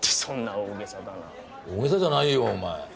大げさじゃないよお前。